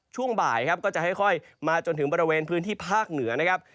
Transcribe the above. ช่วงบ่ายครับก็จะค่อยมาจนถึงบริเวณพื้นที่ภาคเหนือนะครับ